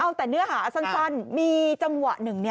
เอาแต่เนื้อหาสั้นมีจังหวะหนึ่ง